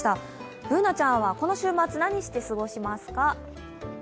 Ｂｏｏｎａちゃんはこの週末、何して過ごしますか？